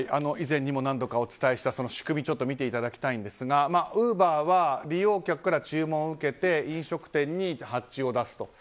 以前にも何度かお伝えした仕組みを見ていただきたいんですがウーバーは利用客から注文を受けて飲食店に発注を出すと。